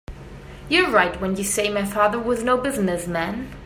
You're right when you say my father was no business man.